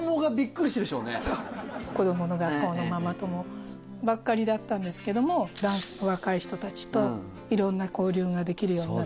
子供の学校のママ友ばっかりだったんですけどもダンスの若い人たちといろんな交流ができるようになって。